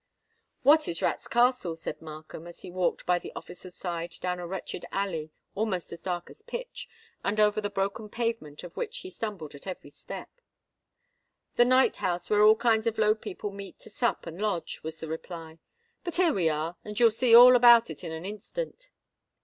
"What is Rats' Castle?" asked Markham, as he walked by the officer's side down a wretched alley, almost as dark as pitch, and over the broken pavement of which he stumbled at every step. "The night house where all kind of low people meet to sup and lodge," was the reply. "But here we are—and you'll see all about it in an instant."